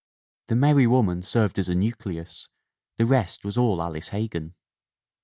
The merry woman served as a nucleus; the rest was all Alice Hegan."